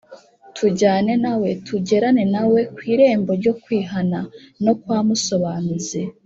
Tujyane nawe, tugerane na we ku irembo ryo kwihana, no kwa Musobanuzi